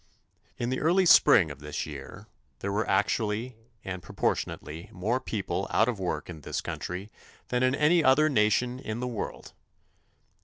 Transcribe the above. In the early spring of this year there were actually and proportionately more people out of work in this country than in any other nation in the world.